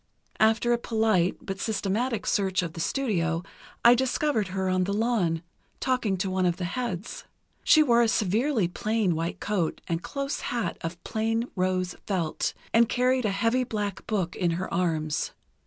After a polite but systematic search of the studio I discovered her on the lawn, talking to one of the heads. She wore a severely plain white coat and a close hat of plain rose felt, and carried a heavy black book in her arms.